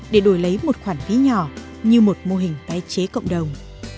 để đổi lấy một khoản phí nhỏ như một mô hình tái chế cộng đồng